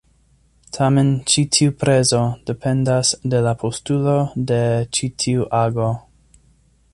Tamen ĉi tiu prezo dependas de la postulo de ĉi tiu ago.